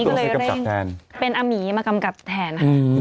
ตอนนี้ก็เลยเล่นเป็นอามีมากำกับแทน